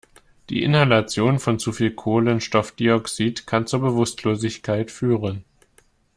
Die Inhalation von zu viel Kohlenstoffdioxid kann zur Bewusstlosigkeit führen.